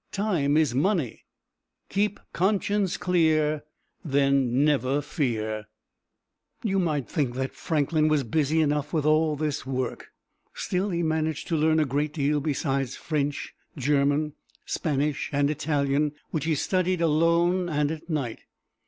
"Time is money." "Keep conscience clear, then never fear." [Illustration: A Page from Poor Richard's Almanac.] You might think that Franklin was busy enough with all this work; still, he managed to learn a great deal besides French, German, Spanish, and Italian, which he studied alone and at night.